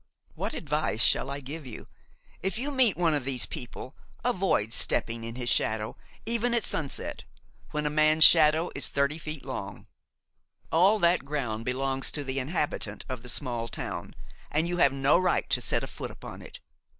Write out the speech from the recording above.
What advice shall I give you? If you meet one of those people, avoid stepping in his shadow, even at sunset, when a man's shadow is thirty feet long; all that ground belong to the inhabitant of the small town, and you have no right to set a foot upon it.